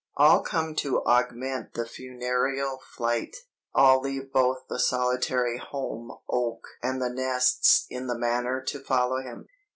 "All come to augment the funereal flight: all leave both the solitary holm oak and the nests in the manor to follow him.